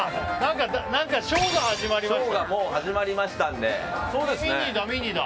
ショーが始まりました。